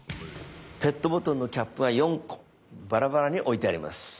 ペットボトルのキャップが４個バラバラに置いてあります。